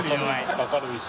明るいし。